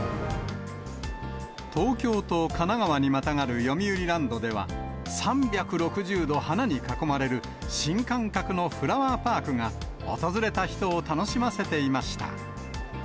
東京と神奈川にまたがるよみうりランドでは、３６０度花に囲まれる、新感覚のフラワーパークが訪れた人を楽しませていました。